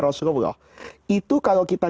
rasulullah itu kalau kita